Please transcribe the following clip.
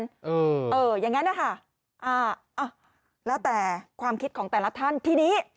คดีของคุณบอสอยู่วิทยาคุณบอสอยู่วิทยาคุณบอสอยู่ความเร็วของรถเปลี่ยน